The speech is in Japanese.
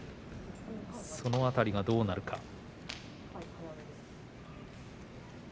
その辺りがどうなるか。